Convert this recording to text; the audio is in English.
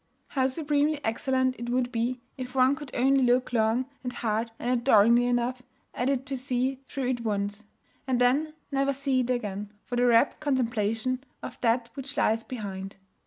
How supremely excellent it would be if one could only look long and hard and adoringly enough at it to see through it once; and then never see it again, for the rapt contemplation of That which lies behind!